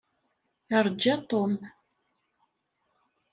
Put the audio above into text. Irǧa Tom.